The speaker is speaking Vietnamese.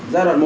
giai đoạn một